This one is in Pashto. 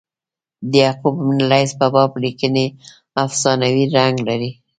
د یعقوب بن لیث په باب لیکني افسانوي رنګ لري.